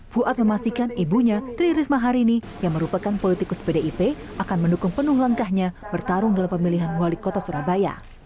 fuad memastikan ibunya tri risma hari ini yang merupakan politikus pdip akan mendukung penuh langkahnya bertarung dalam pemilihan wali kota surabaya